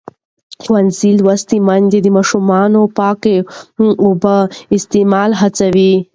ښوونځې لوستې میندې د ماشومانو د پاکو اوبو استعمال هڅوي.